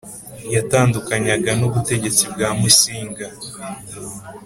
yatandukanyaga n ubutegetsi bwa Musinga